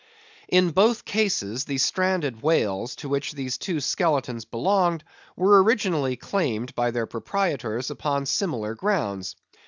In both cases, the stranded whales to which these two skeletons belonged, were originally claimed by their proprietors upon similar grounds.